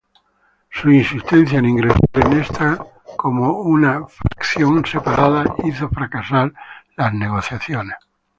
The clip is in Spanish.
Su insistencia en ingresar en esta como una fracción separada hizo fracasar las negociaciones.